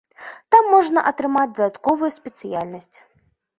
Там можна атрымаць дадатковую спецыяльнасць.